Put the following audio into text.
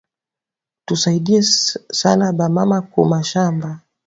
Tusaidie sana ba mama ku mashamba